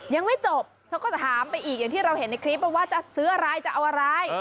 ยังไม่จบเธอก็จะถามไปอีกอย่างที่เราเห็นในคลิปว่าจะซื้ออะไรจะเอาอะไร